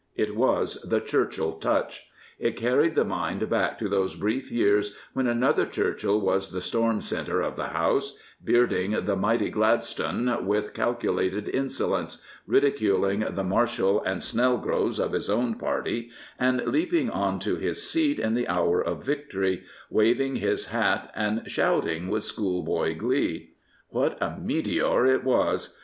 It was the Churchill touch. It carried the mind back to those brief years when another Churchill was the storm centre of the House, bearding the mighty Gladstone with calculated insolence, ridiculing the 22 *] Prophets, Priests, and Kings Marshall and Snelgroves " of his own party, and leaping on to his seat in the hour of victory, waving his hat and shouting with schoolboy glee. What a me^or it was!